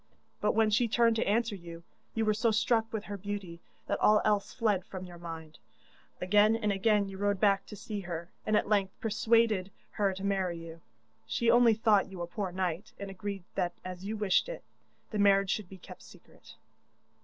But when she turned to answer you, you were so struck with her beauty that all else fled from your mind. Again and again you rode back to see her, and at length persuaded her to marry you. She only thought you a poor knight, and agreed that as you wished it, the marriage should be kept secret.